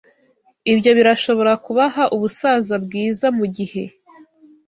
Ibyo birashobora kubaha ubusaza bwiza Mugihe